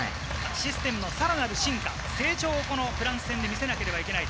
システムの更なる進化成長を、このフランス戦で見せなければいけない。